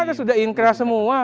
nggak sudah inkrah semua